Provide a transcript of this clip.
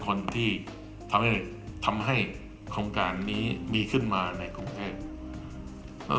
คนที่ทำให้ทำให้โครงการนี้มีขึ้นมาในกรุงเทพเอ่อ